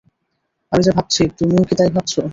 আমি যা ভাবছি তুমিও কি তাই ভাবছ?